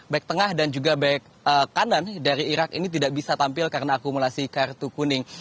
baik tengah dan juga back kanan dari irak ini tidak bisa tampil karena akumulasi kartu kuning